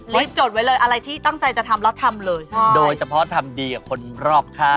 รีบจดไว้เลยอะไรที่ตั้งใจจะทำเราทำเลยใช่ไหมโดยเฉพาะทำดีกับคนรอกฆ่า